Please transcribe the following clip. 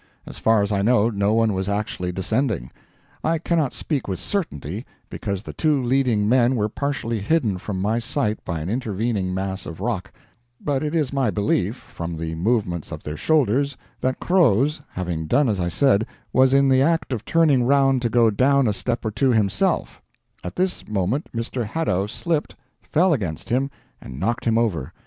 As far as I know, no one was actually descending. I cannot speak with certainty, because the two leading men were partially hidden from my sight by an intervening mass of rock, but it is my belief, from the movements of their shoulders, that Croz, having done as I said, was in the act of turning round to go down a step or two himself; at this moment Mr. Hadow slipped, fell against him, and knocked him over.